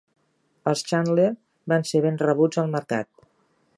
Els Chandler van ser ben rebuts al mercat.